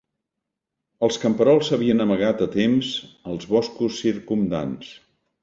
Els camperols s'havien amagat a temps als boscos circumdants.